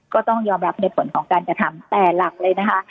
ก็ต้องยอมรับในผลของการกระทำแต่หลักเลยนะคะ